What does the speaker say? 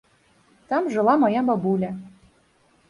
Там жыла мая бабуля.